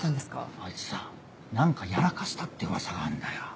あいつさ何かやらかしたって噂があんだよ。